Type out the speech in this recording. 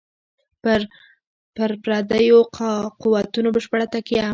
پر پردیو قوتونو بشپړه تکیه.